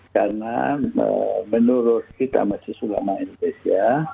karena menurut kita masyarakat selamang indonesia